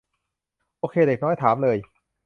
โอเคเด็กน้อย ถามเลย